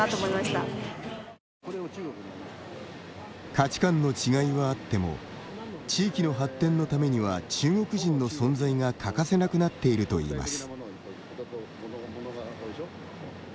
価値観の違いはあっても地域の発展のためには中国人の存在が欠かせなくなっているといいます。